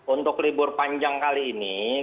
untuk libur panjang kali ini